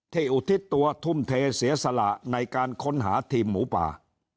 อุทิศตัวทุ่มเทเสียสละในการค้นหาทีมหมูป่า